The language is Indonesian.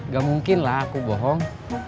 gak mungkin lah aku bohong